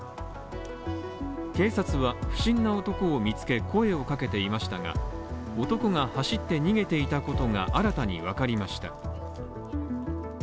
警察は、不審な男を見つけ声をかけていましたが、男が走って逃げていたことが新たにわかりました。